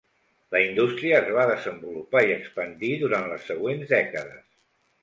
La indústria es va desenvolupar i expandir durant les següents dècades.